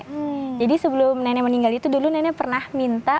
karena dulu nenek meninggal itu dulu nenek pernah minta